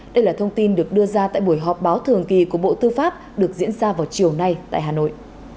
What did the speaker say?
đây là thông tin được đưa ra tại buổi họp báo thường kỳ của bộ tư pháp được diễn ra vào chiều nay tại hà nội